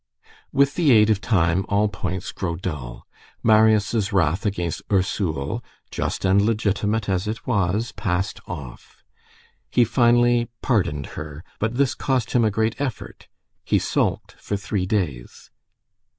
With the aid of time, all points grow dull. Marius' wrath against "Ursule," just and legitimate as it was, passed off. He finally pardoned her; but this cost him a great effort; he sulked for three days.